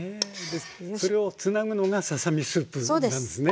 それをつなぐのがささ身スープなんですね。